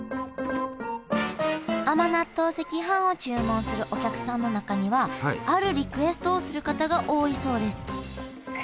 甘納豆赤飯を注文するお客さんの中にはあるリクエストをする方が多いそうです。